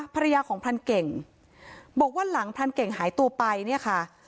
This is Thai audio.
ภรรยาของพรานเก่งบอกว่าหลังพรานเก่งหายตัวไปเนี่ยค่ะ